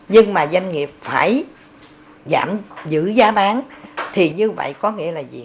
nhưng mà doanh nghiệp phải giữ giá bán thì như vậy có nghĩa là gì